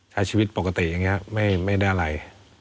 ใช้ชีวิตปกติอย่างนี้ไม่ได้อะไร